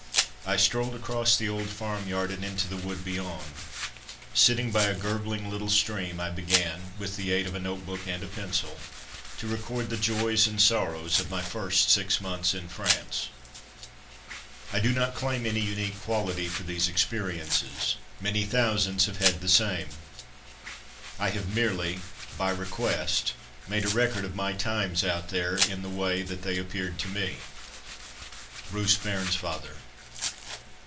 I strolled across the old farmyard and into the wood beyond. Sitting by a gurgling little stream, I began, with the aid of a notebook and a pencil, to record the joys and sorrows of my first six months in France._ _I do not claim any unique quality for these experiences. Many thousands have had the same. I have merely, by request, made a record of my times out there, in the way that they appeared to me_. BRUCE BAIRNSFATHER.